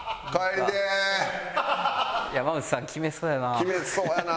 山内さん決めそうやな。